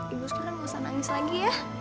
ibu sekarang gak usah nangis lagi ya